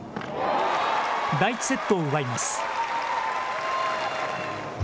第１セットを奪います。